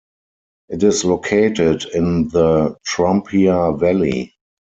It is located in the Trompia valley.